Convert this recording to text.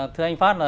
thưa anh phát